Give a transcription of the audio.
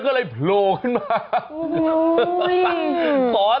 ขอสะพานหน่อย